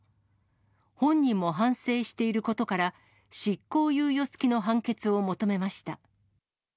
本人も反省していることから、執行猶予付きの判決を求めました。